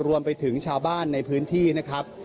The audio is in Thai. รวมไปถึงชาวบ้านในพื้นที่นะครับ